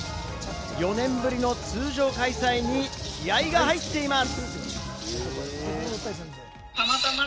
４年ぶりの通常開催に気合が入っています。